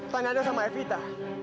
tak ada sama evita